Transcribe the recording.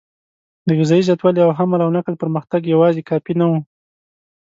د غذایي زیاتوالي او حمل او نقل پرمختګ یواځې کافي نه و.